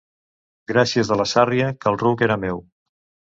Gràcies de la sàrria, que el ruc era meu.